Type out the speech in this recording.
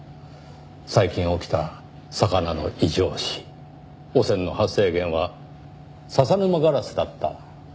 最近起きた魚の異常死汚染の発生源は笹沼硝子だった。